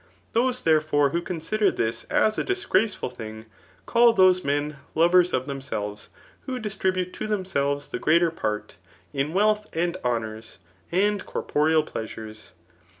Those, therefore, who consider this as a disgraceful thing, call those men lovers pf themselves, who distribute to themselves the greater part, in wealth and honours, and corporeal pleasures.